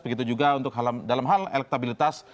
begitu juga dalam hal elektabilitas